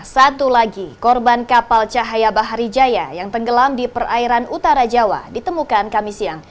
satu lagi korban kapal cahaya bahari jaya yang tenggelam di perairan utara jawa ditemukan kami siang